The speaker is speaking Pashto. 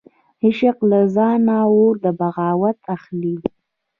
عشق له ځانه اور د بغاوت اخلي